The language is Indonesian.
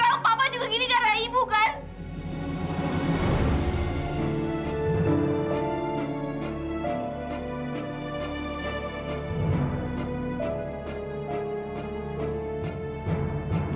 apapun ga masuk dong ya